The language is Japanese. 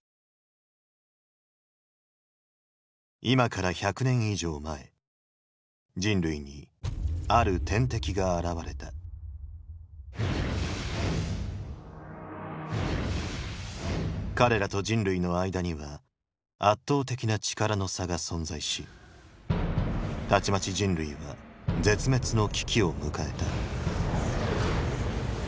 今から１００年以上前人類にある天敵が現れた彼らと人類の間には圧倒的な力の差が存在したちまち人類は絶滅の危機を迎えた